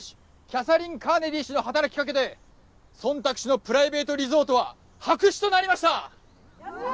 キャサリン・カーネディー氏の働き掛けでソンタク氏のプライベートリゾートは白紙となりました！